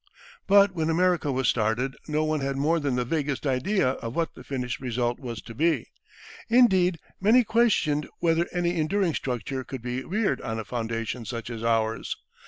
But when America was started, no one had more than the vaguest idea of what the finished result was to be; indeed, many questioned whether any enduring structure could be reared on a foundation such as ours.